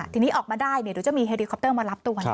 ทีนี้ออกมาได้เดี๋ยวจะมีเฮลิคอปเตอร์มารับตัว